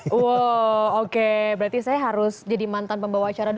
wow oke berarti saya harus jadi mantan pembawa acara